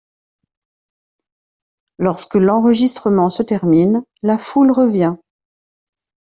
Lorsque l'enregistrement se termine, la foule revient.